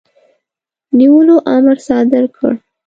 نیولو امر صادر کړ.